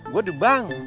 gue di bank